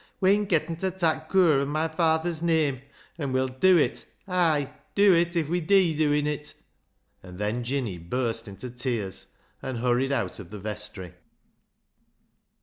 We'en getten ta tak' cur o' my fayther's name, and we'll dew it — ay, dew it if wc dee dewing it "— and then Jinny burst into tears and hurried out of the vestry.